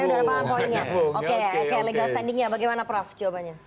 oke legal standingnya bagaimana prof jawabannya